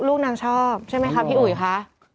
ลูกนางชอบใช่ไหมคะพี่อุ๋ยคะ